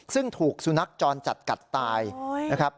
ซึ่งถูกสุนัขจรจัดกัดตายนะครับ